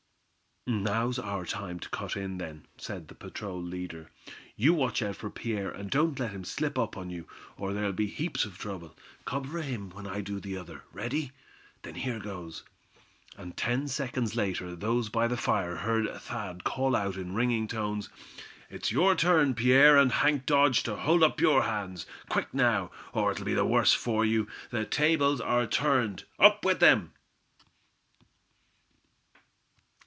"Now's our time to cut in, then," said the patrol leader. "You watch out for Pierre, and don't let him slip up on you, or there'll be heaps of trouble. Cover him when I do the other. Ready? Then here goes." And ten seconds later those by the fire heard Thad call out in ringing tones. "It's your turn, Pierre and Hank Dodge, to hold up your hands. Quick now, or it'll be the worse for you. The tables are turned up with them!"